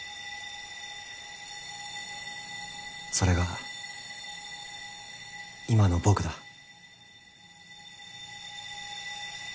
それが今の僕だ。